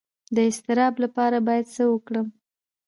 د اضطراب لپاره باید څه وکړم؟